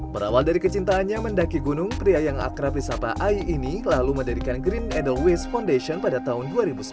berawal dari kecintaannya mendaki gunung pria yang akrab risapa air ini lalu mendadikan green edelweiss foundation pada tahun dua ribu sembilan